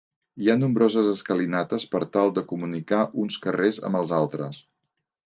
Hi ha nombroses escalinates per tal de comunicar uns carrers amb els altres.